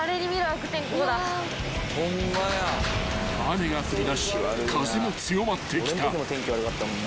［雨が降りだし風も強まってきた］